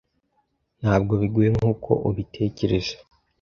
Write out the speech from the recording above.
Ntabwo bigoye nkuko ubitekereza.